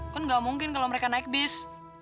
kan gak mungkin kalo mereka naik bus